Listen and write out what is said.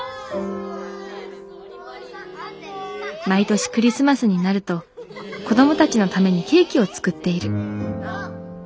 毎年クリスマスになると子どもたちのためにケーキを作っている。